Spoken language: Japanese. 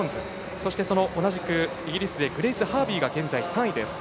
そして同じくイギリスのグレイス・ハービーが現在３位です。